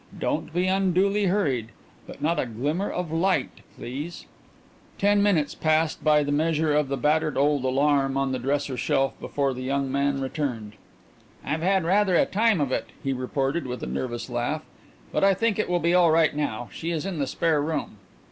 Don't be unduly hurried, but not a glimmer of a light, please." Ten minutes passed by the measure of the battered old alarum on the dresser shelf before the young man returned. "I've had rather a time of it," he reported, with a nervous laugh, "but I think it will be all right now. She is in the spare room."